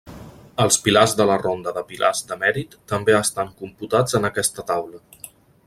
Els pilars de la ronda de pilars de mèrit també estan computats en aquesta taula.